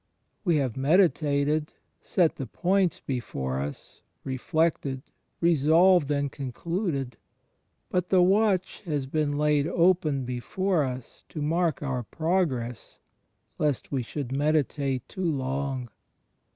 We have meditated — set the points before us, reflected, resolved and concluded; but the watch has been laid open before us to mark our progress, lest we should medi tate too long.